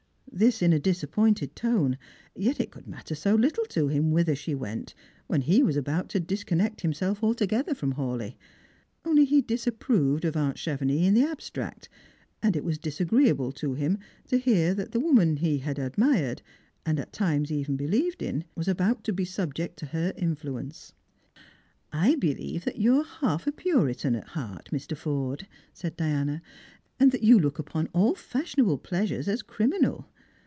This in a disappointed tone, yet it could matter BO httle to him whither she went, when he was about to discon nect himself altogether from Hawleigh. Only he disapproved of aunt (Chevenix in the abstract, and it was disagreeable to him to hear that the woman he had admired, and at times even believed in, was about to be subject to her influence. " I believe you are half a Puritan at heart, Mr. Forde," said Diana, " and that you look upon all fashionable pleasures as crimi nal.